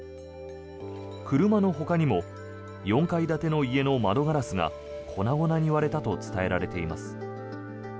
車のほかにも４階建ての家の窓ガラスが粉々に割れたと伝えられています。